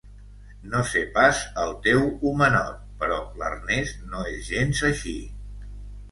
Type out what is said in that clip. No sé pas el teu homenot, però l'Ernest no és gens així.